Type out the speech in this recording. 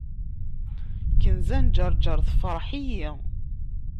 Kenza n ǧerǧer tefreḥ-iyi.